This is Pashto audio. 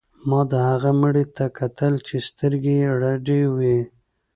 ما د هغه مړي ته کتل چې سترګې یې رډې وې